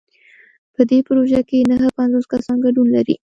په دې پروژه کې نهه پنځوس کسان ګډون لري.